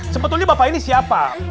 sebetulnya bapak ini siapa